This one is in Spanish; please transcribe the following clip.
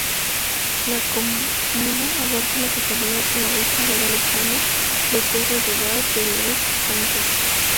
La comuna abarca la totalidad de la isla guadalupana de Terre-de-Bas de Les Saintes.